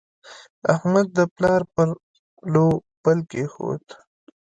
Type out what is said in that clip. احمد د پلار پر پلو پل کېښود.